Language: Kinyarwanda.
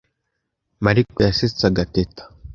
Mariko yasetsaga Teta .